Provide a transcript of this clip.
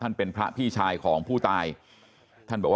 กระดิ่งเสียงเรียกว่าเด็กน้อยจุดประดิ่ง